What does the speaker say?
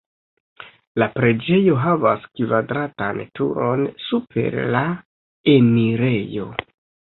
La preĝejo havas kvadratan turon super la enirejo.